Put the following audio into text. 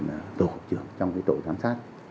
tổ hợp trưởng trong cái tổ giám sát